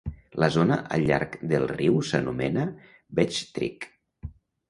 La zona al llarg del riu s'anomena Vechtstreek.